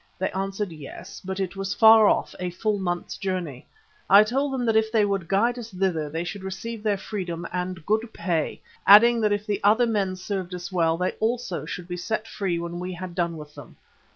They answered yes, but it was far off, a full month's journey. I told them that if they would guide us thither, they should receive their freedom and good pay, adding that if the other men served us well, they also should be set free when we had done with them.